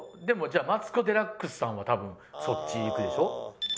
でもじゃあマツコ・デラックスさんは多分そっち行くでしょ？